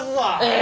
え？